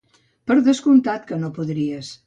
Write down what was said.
Per descomptat que no podries.